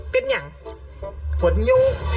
เป็นเหงียว